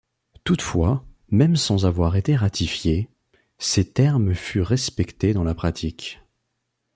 Toutefois, même sans avoir été ratifié, ses termes furent respectés dans la pratique.